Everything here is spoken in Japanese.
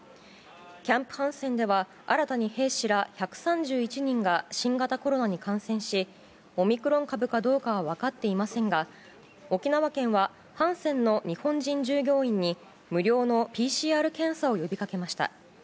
キャンプ・ハンセンでは新たに兵士ら１３１人が新型コロナに感染しオミクロン株かどうかは分かっていませんが沖縄県はハンセンの日本人従業員に無料のＰＣＲ検査を呼びかけました。